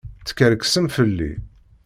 Teskerksem fell-i.